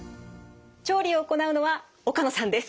調理を行うのは岡野さんです。